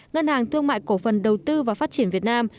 ngân hàng thương mại cổ phần đầu tư và phát triển việt nam